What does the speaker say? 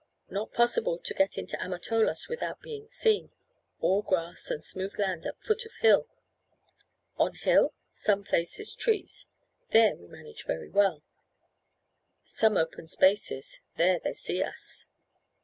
Not possible to get into Amatolas without being seen; all grass and smooth land at foot of hill. On hill some places trees, there we manage very well; some open spaces, there they see us."